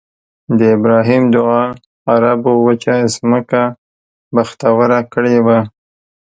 د ابراهیم دعا عربو وچه ځمکه بختوره کړې ده.